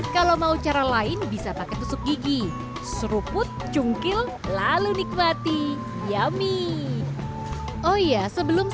kalau mau cara lain bisa pakai tusuk gigi seruput cungkil lalu nikmati yami oh iya sebelum